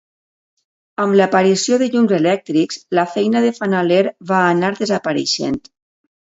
Amb l'aparició de llums elèctrics, la feina de fanaler va anar desapareixent.